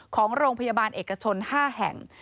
ของโรงพยาบาลเอกชน๕แห่ง